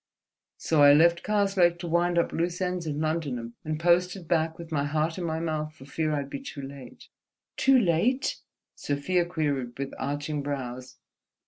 So I left Karslake to wind up loose ends in London, and posted back with my heart in my mouth for fear I'd be too late." "Too late?" Sofia queried with arching brows.